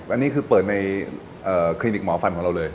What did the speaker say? อันนี้คือเปิดในคลินิกหมอฟันของเราเลย